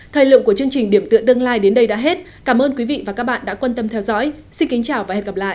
thời lượng của chương trình điểm tựa tương lai đến đây đã hết cảm ơn quý vị và các bạn đã quan tâm theo dõi xin kính chào và hẹn gặp lại